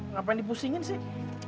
ngapain dipusingin sih